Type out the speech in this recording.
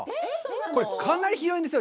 これ、かなり広いんですよ。